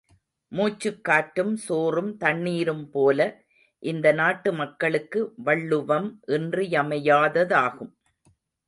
மூச்சுக் காற்றும், சோறும், தண்ணீரும்போல இந்த நாட்டு மக்களுக்கு வள்ளுவம் இன்றியமையாததாகும்.